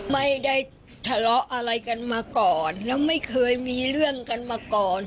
ไม่ได้ทะเลาะอะไรกันมาก่อนแล้วไม่เคยมีเรื่องกันมาก่อน